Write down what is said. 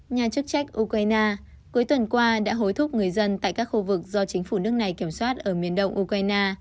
nhà chức trách ukraine cuối tuần qua đã hối thúc người dân tại các khu vực do chính phủ nước này kiểm soát ở miền đông ukraine